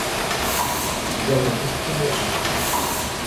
Jo mateix tinc la clau.